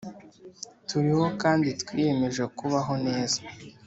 turiho kandi twiyemeje kubaho neza